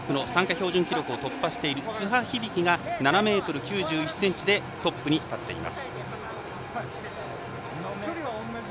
標準記録を突破している津波響樹が７ｍ９１ｃｍでトップに立っています。